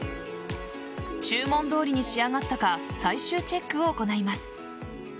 注文どおりに仕上がったか最終チェックを行います。